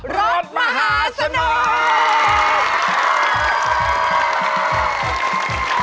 รถมหาสนุก